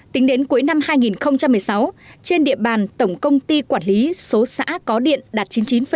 tính đến cuối năm hai nghìn một mươi sáu trên địa bàn tổng công ty quản lý số xã có điện đạt chín mươi chín